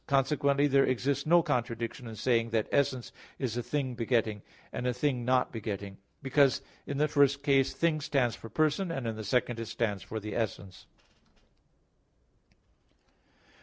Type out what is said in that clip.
Consequently there exists no contradiction in saying that "essence is a thing begetting," and "a thing not begetting"; because in the first case "thing" stands for person, and in the second it stands for the essence.